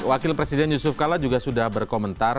wakil presiden yusuf kala juga sudah berkomentar